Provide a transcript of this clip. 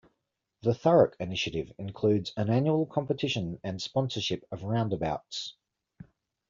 The Thurrock initiative includes an annual competition and sponsorship of roundabouts.